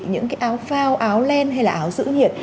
những cái áo phao áo len hay là áo giữ nhiệt